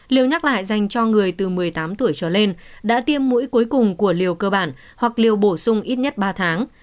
liều nhắc lại dành cho người từ một mươi tám tuổi trở lên đã tiêm mũi cuối cùng của liều cơ bản hoặc liều bổ sung ít nhất ba tháng